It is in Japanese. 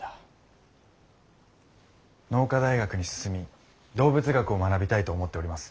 農科大学に進み動物学を学びたいと思っております。